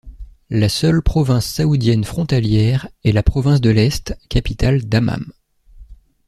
La seule province saoudienne frontalière est la pronvince de l'est, capitale Dammam.